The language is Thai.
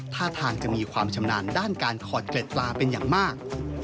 ท่าทางจะมีความชำนาญด้านการขอดเกล็ดปลาเป็นอย่างมาก